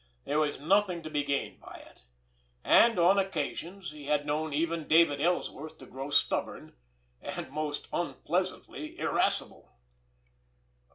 There was nothing to be gained by it, and on occasions he had known even David Ellsworth to grow stubborn and most unpleasantly irascible.